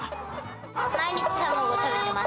毎日、卵を食べてます。